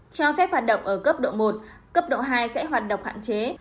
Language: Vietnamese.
cho phép hoạt động ở cấp độ một cấp độ hai sẽ hoạt động hạn chế